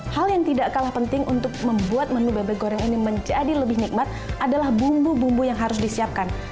hal yang tidak kalah penting untuk membuat menu bebek goreng ini menjadi lebih nikmat adalah bumbu bumbu yang harus disiapkan